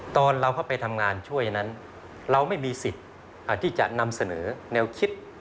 ตอนเราเข้าไปทำงานช่วยนั้นเราไม่มีสิทธิ์ที่จะนำเสนอแนวคิด